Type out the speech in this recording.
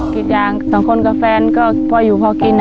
กิจยังสองคนกับแฟนเพื่ออยู่เพราะกิน